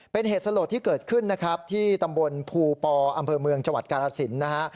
เป็นเหตุสลดที่เกิดขึ้นนะครับที่ตำบลภูปออำเภอเมืองจังหวัดกาลสินนะฮะ